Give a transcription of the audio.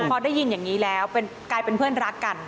พอได้ยินอย่างนี้แล้วกลายเป็นเพื่อนรักกัน